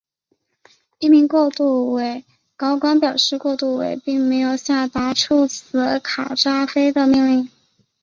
一名过渡委高官表示过渡委并没有下达处死卡扎菲的命令。